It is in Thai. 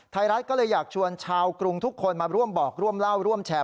ไทยรัฐก็เลยอยากชวนชาวกรุงทุกคนมาร่วมบอกร่วมเล่าร่วมแชร์